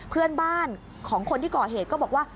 เพื่อนบ้านของคนที่ก่อเหตุก็บอกว่า